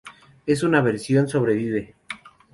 En una versión, sobrevive.